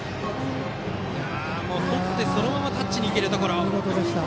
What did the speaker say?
とって、そのままタッチにいけるところでした。